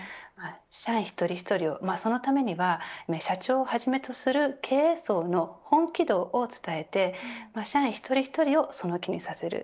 社員一人一人、そのためには社長をはじめとする経営層の本気度を伝えて社員一人一人をその気にさせる。